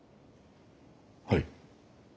はい。